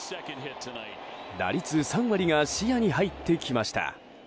打率３割が視野に入ってきました。